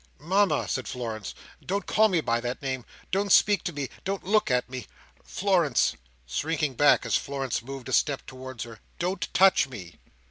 "Mama!" said Florence. "Don't call me by that name! Don't speak to me! Don't look at me!—Florence!" shrinking back, as Florence moved a step towards her, "don't touch me!"